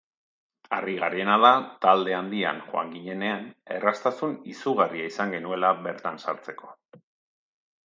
Harrigarriena da talde handian joan ginenean erraztasun izugarria izan genuela bertan sartzeko.